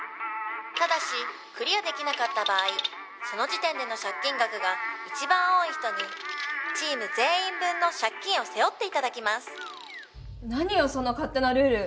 「ただしクリアできなかった場合その時点での借金額が一番多い人にチーム全員分の借金を背負って頂きます」何よその勝手なルール！